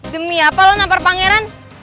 demi apa loh nampar pangeran